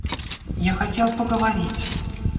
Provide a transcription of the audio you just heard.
Я хотел поговорить.